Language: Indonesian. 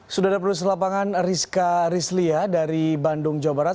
sudah ada produser lapangan rizka rizlia dari bandung jawa barat